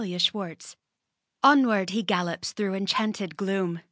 KNIGHT ERRANT Onward he gallops through enchanted gloom.